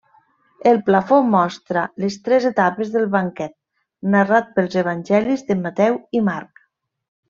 El plafó mostra les tres etapes del banquet narrat pels evangelis de Mateu i Marc.